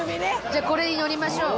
じゃあこれに乗りましょう。